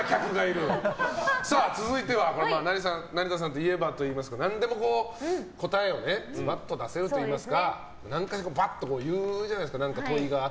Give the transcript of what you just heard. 続いては成田さんといえばといいますか何でも答えをズバッと出せるというか何でもバッと言うじゃないですか。